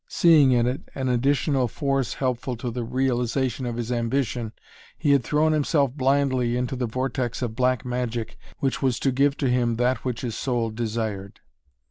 Seeing in it an additional force helpful to the realization of his ambition, he had thrown himself blindly into the vortex of black magic which was to give to him that which his soul desired.